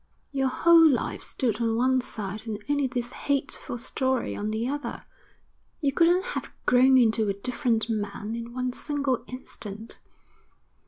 Your whole life stood on one side and only this hateful story on the other. You couldn't have grown into a different man in one single instant.